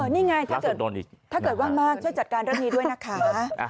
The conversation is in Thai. นี่ไงถ้าเกิดว่ามาช่วยจัดการเรื่องนี้ด้วยนะคะ